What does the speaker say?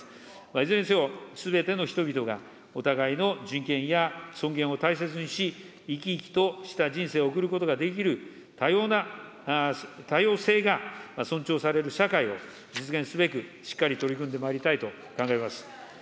いずれにせよすべての人々がお互いの人権や尊厳を大切にし、生き生きとした人生を送ることができる多様な、多様性が尊重される社会を実現すべく、しっかり取り組んでまいりたいと考えております。